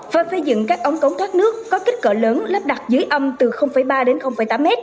và phê dựng các ống cống thoát nước có kích cỡ lớn lắp đặt dưới âm từ ba đến tám m